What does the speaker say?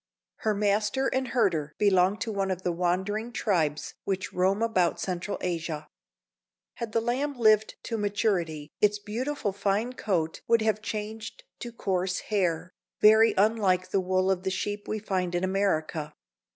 Her master and herder belong to one of the wandering tribes which roam about Central Asia. Had the lamb lived to maturity its beautiful fine coat would have changed to coarse hair, very unlike the wool of the sheep we find in America.